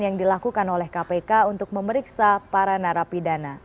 yang dilakukan oleh kpk untuk memeriksa para narapidana